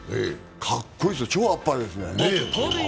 かっこいいっすよ超あっぱれですね。